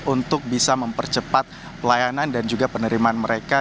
untuk bisa mempercepat pelayanan dan juga penerimaan mereka